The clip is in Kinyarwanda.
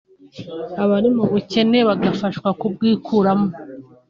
abari mu bukene bagafashwa kubwikuramo